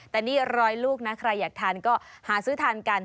แต่นี่ร้อยลูกนะใครอยากทานก็หาซื้อทานกัน